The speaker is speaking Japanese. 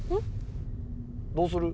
どうする？